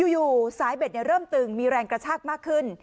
อยู่สายเบ็ดเริ่มตึงมีแรงกระชากมากขึ้น